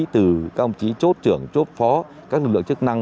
từ các ông chí chốt trưởng chốt phó các lực lượng chức năng